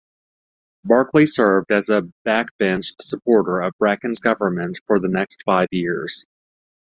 Barclay served as a backbench supporter of Bracken's government for the next five years.